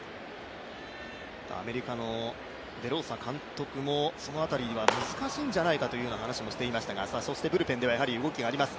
アメリカのデローサ監督もその辺りは難しいんじゃないかという話もしていましたが、ブルペンではやはり動きがあります。